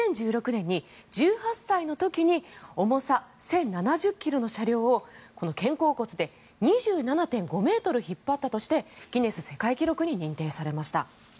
２０１６年に、１８歳の時に重さ１０７０ｋｇの車両を肩甲骨で２７．５ｍ引っ張ったとしてギネス世界記録に認定されました。